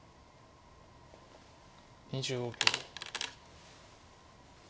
２５秒。